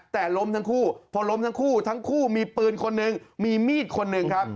แต่ล้มทั้งคู่พอล้มทั้งคู่ทั้งคู่มีปืนคนหนึ่งมีมีดคนหนึ่งครับ